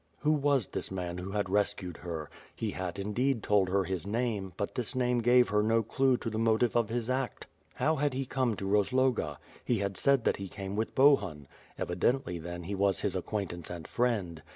"Who was this man who had rescued her. He had indeed told her his name, but this nam e gave her no clue to the motive of his act. How had he come to Rozloga? He had said that he came with Bohun. Evidently, then, he was his acquaintance and friend.